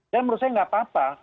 dan menurut saya gak apa apa